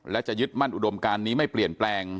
และจะยึดมั่นอุดมการนี้ไม่เปลี่ยนแปลง